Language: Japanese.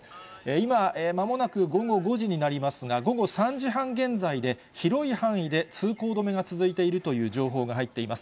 今、まもなく午後５時になりますが、午後３時半現在で、広い範囲で通行止めが続いているという情報が入っています。